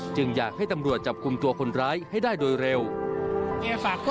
อยากให้ตำรวจจับกลุ่มตัวคนร้ายให้ได้โดยเร็ว